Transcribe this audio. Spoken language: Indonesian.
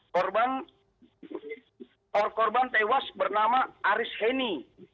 korban korban tewas bernama aris heni